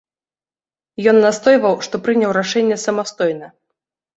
Ён настойваў, што прыняў рашэнне самастойна.